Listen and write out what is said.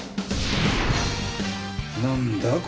何だ？